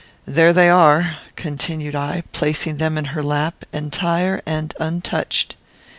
There they are," continued I, placing them in her lap, entire and untouched.